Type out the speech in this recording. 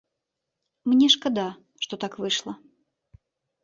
Мне шкада, што так выйшла.